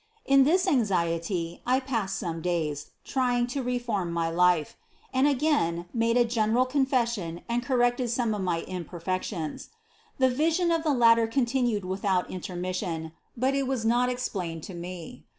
In this anxiety I passed some days, trying to re form my life; I again made a general confession and corrected some of my imperfections. The vision of the ladder continued without intermission, but it was not ex plained to me.